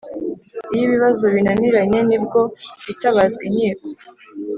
iyo ibibazo binaniranye, ni bwo hitabazwa inkiko.